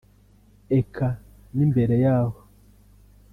eka n'imbere yaho